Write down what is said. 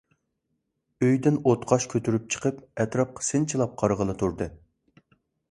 ئۆيدىن ئوتقاش كۆتۈرۈپ چىقىپ، ئەتراپقا سىنچىلاپ قارىغىلى تۇردى.